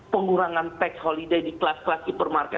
pengurangan biaya listrik untuk kelas kelas supermarket